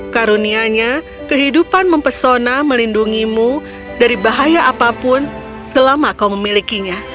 karunianya kehidupan mempesona melindungimu dari bahaya apapun selama kau memilikinya